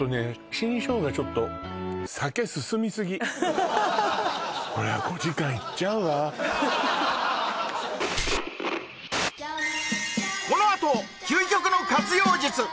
新生姜ちょっとこのあと究極の活用術！